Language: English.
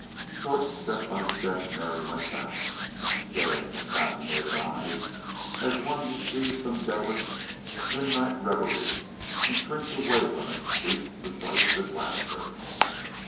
Short step by step Mary went back, staring with fascinated eyes as one who sees some devilish, midnight revelry, and shrinks away from it lest the sight should blast her.